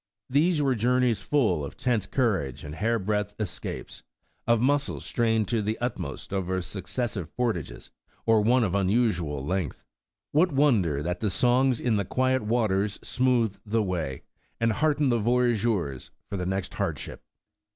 These were journeys full of tense courage and hair breadth escapes, of muscles strained tto the utmost over successive portages, or one of unusual length. What wonder that the songs in the quiet waters smoothed the way, and heartened the voyageurs for the next hard ship!